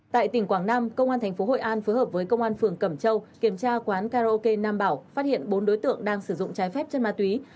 tại tỉnh quảng nam công an tp hội an phối hợp với công an phường cẩm châu kiểm tra quán karaoke nam bảo phát hiện bốn đối tượng đang sử dụng trái phép chân ma túy